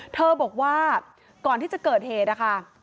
เธอบอกว่าก่อนที่จะเกิดเหตุนะคะ